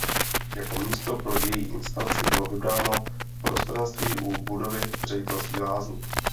Jako místo pro její instalaci bylo vybráno prostranství u budovy ředitelství lázní.